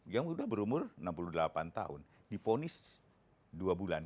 yang sudah berumur enam puluh delapan tahun diponis dua bulan